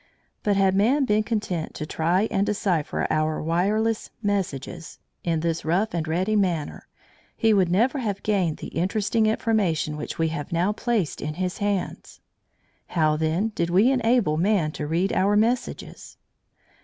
But had man been content to try and decipher our wireless messages in this rough and ready manner, he would never have gained the interesting information which we have now placed in his hands. How, then, did we enable man to read our messages?